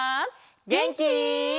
げんき？